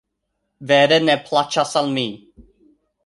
Vere ne plaĉas al mi